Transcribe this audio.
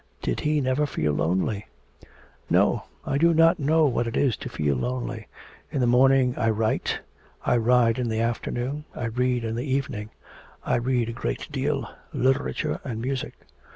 Did he never feel lonely? 'No, I do not know what it is to feel lonely. In the morning I write; I ride in the afternoon; I read in the evening. I read a great deal literature and music.'